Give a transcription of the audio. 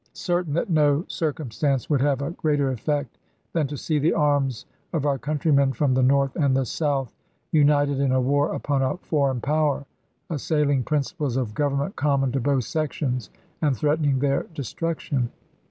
tain that no circumstance would have a greater effect than to see the arms of our countrymen from the North and the South united in a war upon a for eign power assailing principles of government common to both sections and threatening their de iSport. struction.